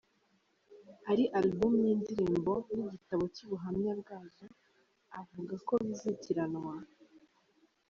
Ari Album y’indirimbo n’igitabo cy’ubuhamya bwazo avuga ko bizitiranwa.